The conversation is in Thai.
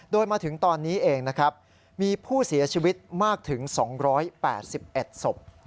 โดยมาถึงตอนนี้เองนะครับมีผู้เสียชีวิตมากถึง๒๘๑ศพ